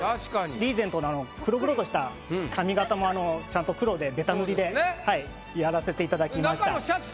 リーゼントの黒々とした髪型もちゃんと黒でベタ塗りでやらせていただきました。